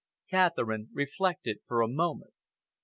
Catherine reflected for a moment.